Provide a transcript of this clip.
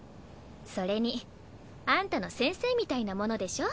それにアンタの先生みたいなものでしょ？